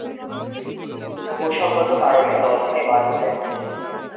কৌশলগত কারণে দল থেকে বাদ পড়েন তিনি।